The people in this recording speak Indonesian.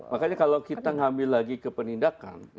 makanya kalau kita ngambil lagi ke penindakan